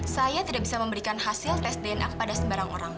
saya tidak bisa memberikan hasil tes dna kepada sembarang orang